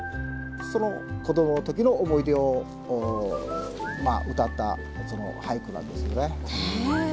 その子どもの時の思い出を歌った俳句なんですよね。